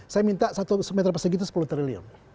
saya minta satu meter persegi itu sepuluh triliun